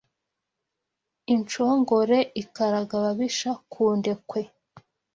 Inshongore ikaraga ababisha ku ndekwe